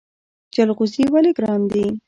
جلغوزي ولې ګران دي؟